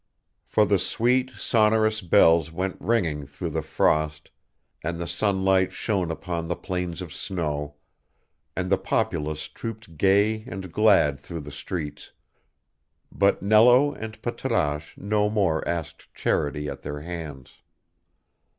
For the sweet, sonorous bells went ringing through the frost, and the sunlight shone upon the plains of snow, and the populace trooped gay and glad through the streets, but Nello and Patrasche no more asked charity at their hands.